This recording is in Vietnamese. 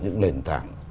những lền tảng